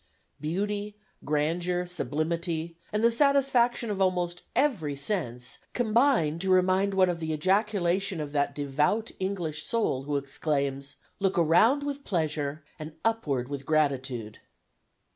Beauty, grandeur, sublimity, and the satisfaction of almost every sense combine to remind one of the ejaculation of that devout English soul who exclaims: "Look around with pleasure, and upward with gratitude."